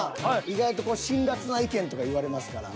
意外と辛辣な意見とか言われますから。